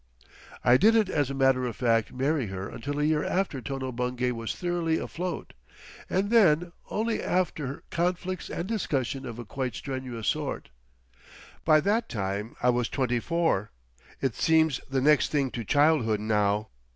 I didn't, as a matter of fact, marry her until a year after Tono Bungay was thoroughly afloat, and then only after conflicts and discussions of a quite strenuous sort. By that time I was twenty four. It seems the next thing to childhood now.